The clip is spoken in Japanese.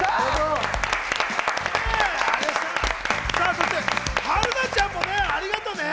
そして春菜ちゃんもありがとね！